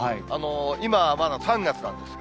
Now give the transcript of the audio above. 今はまだ３月なんです。